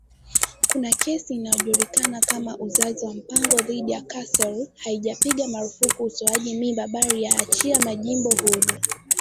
kuna kesi inayojulikana kama Uzazi wa mpango dhidi ya Casey, haijapiga marufuku utoaji mimba, bali kuyaachia majimbo uhuru